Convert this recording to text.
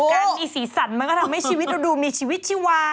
การมีสีสันมันก็ทำให้ชีวิตเราดูมีชีวิตชีวา